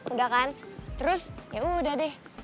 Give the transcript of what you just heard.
udah kan terus ya udah deh